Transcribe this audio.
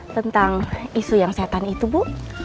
tentang isu yang setan itu bu